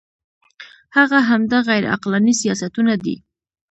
هغه همدا غیر عقلاني سیاستونه دي.